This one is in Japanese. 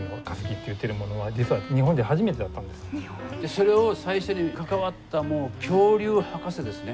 それを最初に関わった恐竜博士ですね。